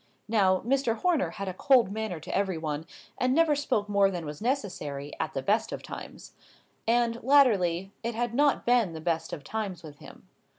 Now, Mr. Horner had a cold manner to every one, and never spoke more than was necessary, at the best of times. And, latterly, it had not been the best of times with him.